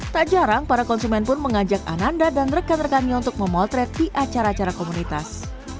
tak jarang para konsumen pun mengajak ananda dan rekan rekannya untuk memotret di acara acara komunitas